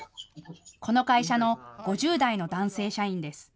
この会社の５０代の男性社員です。